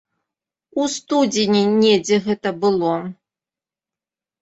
У студзені недзе гэта было.